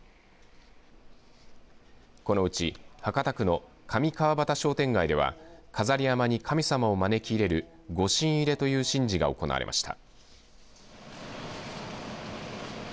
このうち博多区の上川端商店街では飾り山笠に神様を招き入れるご神入れという神事が行われました。